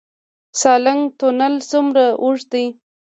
سالنګ تونل څومره اوږد دی؟